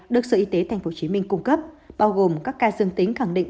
được sở y tế tp hcm cung cấp bao gồm các ca dương tính khẳng định